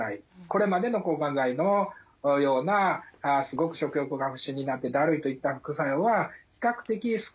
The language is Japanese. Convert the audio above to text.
これまでの抗がん剤のようなすごく食欲が不振になってだるいといった副作用は比較的少ないです。